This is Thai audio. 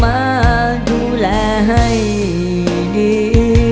มาดูแลให้ดี